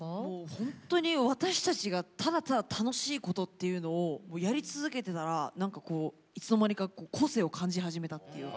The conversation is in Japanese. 本当に私たちがただただ楽しいことっていうのをやり続けていたらいつの間にか個性を感じ始めたというか。